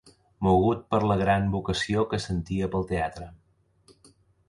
Mogut per la gran vocació que sentia pel teatre